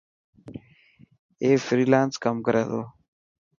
اي فرالانس ڪم ڪري تو.